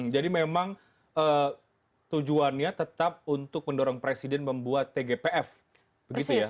jadi memang tujuannya tetap untuk mendorong presiden membuat tgpf begitu ya